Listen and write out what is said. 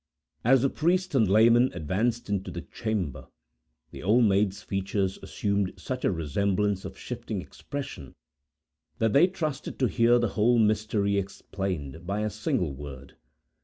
As the priest and layman advanced into the chamber, the Old Maid's features assumed such a resemblance of shifting expression, that they trusted to hear the whole mystery explained, by a single word.